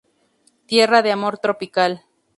Tierra de amor tropical.